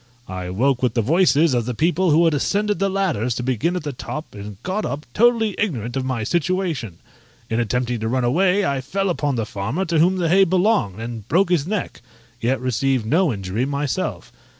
I woke with the voices of the people who had ascended the ladders to begin at the top, and got up, totally ignorant of my situation: in attempting to run away I fell upon the farmer to whom the hay belonged, and broke his neck, yet received no injury myself.